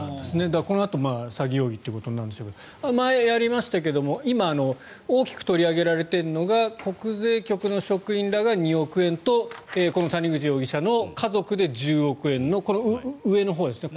だからこのあと、詐欺容疑ということなんでしょうが前やりましたが今、大きく取り上げられているのが国税局の職員らが２億円とこの谷口容疑者の家族で１０億円のこの上のほうですね。